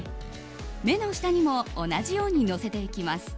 目の下にも同じようにのせていきます。